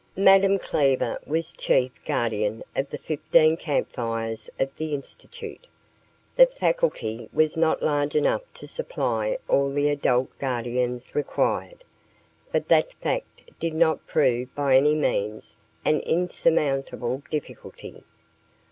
Madame Cleaver was Chief Guardian of the fifteen Camp Fires of the Institute. The faculty was not large enough to supply all the adult guardians required, but that fact did not prove by any means an insurmountable difficulty.